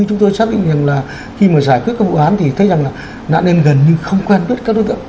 chúng tôi xác định rằng là khi mà giải quyết các vụ án thì thấy rằng là nạn nhân gần như không quen biết các đối tượng